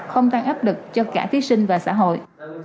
không tăng áp lực cho cả thí sinh và xã hội